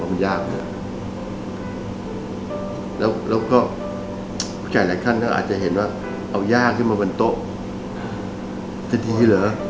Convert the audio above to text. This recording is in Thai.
วันต่อกลายไปบรรไขรักษณ์ก็อาจจะเห็นว่าเอายากขึ้นมาบนโต๊ะจะดีหรือ